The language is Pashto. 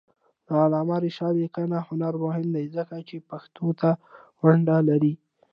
د علامه رشاد لیکنی هنر مهم دی ځکه چې پښتو ته ونډه لري.